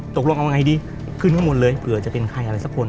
ตกลงเอาไงดีขึ้นข้างบนเลยเผื่อจะเป็นใครอะไรสักคน